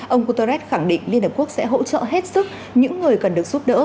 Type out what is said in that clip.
ông guterres khẳng định liên hợp quốc sẽ hỗ trợ hết sức những người cần được giúp đỡ